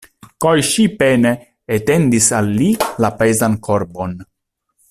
Kaj ŝi pene etendis al li la pezan korbon.